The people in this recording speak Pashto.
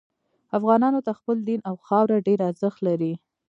افغانانو ته خپل دین او خاوره ډیر ارزښت لري